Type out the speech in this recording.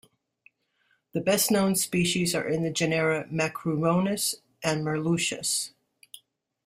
The best known species are in the genera "Macruronus" and "Merluccius".